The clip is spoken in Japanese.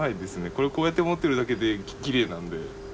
これこうやって持ってるだけできれいなんで。